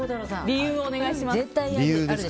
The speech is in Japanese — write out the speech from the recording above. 理由をお願いします。